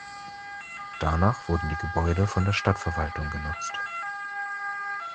Danach wurden die Gebäude von der Stadtverwaltung genutzt.